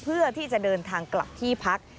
เพื่อที่จะเดินทางกลับที่พัก